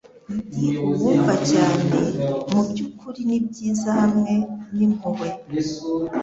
Ndi uwumva cyane, mubyukuri nibyiza hamwe nimpuhwe